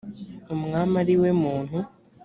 umwami ari we muntu